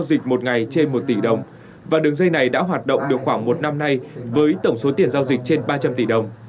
lên một tỷ đồng và đường dây này đã hoạt động được khoảng một năm nay với tổng số tiền giao dịch trên ba trăm linh tỷ đồng